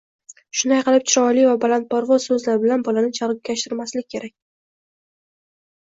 Shunday qilib, chiroyli va balandparvoz so‘zlar bilan bolani chalkashtirmaslik kerak.